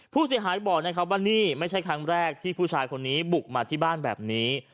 ผู้เสียหายบอกนะครับว่านี่ไม่ใช่ครั้งแรกที่ผู้ชายคนนี้บุกมาที่บ้านแบบนี้